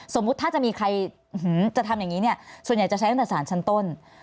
สมมุติถ้าจะมีใครจะทำอย่างนี้เนี่ยส่วนใหญ่จะใช้ตั้งแต่สารชั้นต้น